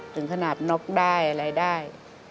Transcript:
ถึงขนาดน็อกได้อะไรได้